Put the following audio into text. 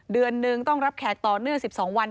เดือนนึงต้องรับแขกต่อเนื่อง๑๒วัน